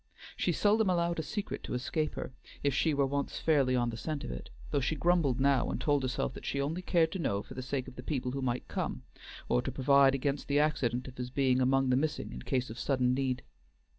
She seldom allowed a secret to escape her, if she were once fairly on the scent of it, though she grumbled now, and told herself that she only cared to know for the sake of the people who might come, or to provide against the accident of his being among the missing in case of sudden need.